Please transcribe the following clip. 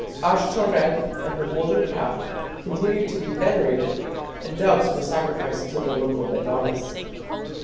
Ashtoreth and her golden calf continued to be venerated, and doves were sacrificed to the local Adonis.